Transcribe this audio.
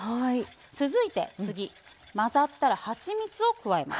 続いて混ざったら、はちみつを加えます。